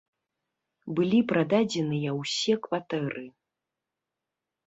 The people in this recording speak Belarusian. Былі прададзеныя ўсе кватэры.